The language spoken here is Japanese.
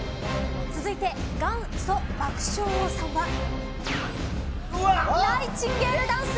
続いて、元祖爆笑王さんはナイチンゲールダンス。